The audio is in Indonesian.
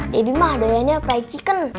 debi mah doyanya fried chicken